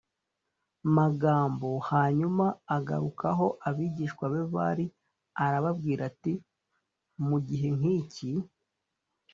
magambo Hanyuma agaruka aho abigishwa be bari arababwira ati mu gihe nk iki